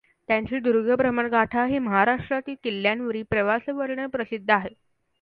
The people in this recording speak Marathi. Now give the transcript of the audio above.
त्यांचे दुर्गभ्रमणगाथा हे महाराष्ट्रातील किल्ल्यांवरील प्रवासवर्णन प्रसिद्ध आहे.